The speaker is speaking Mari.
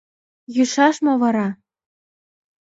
Йӱшаш мо вара?